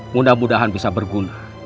mudah mudahan bisa berguna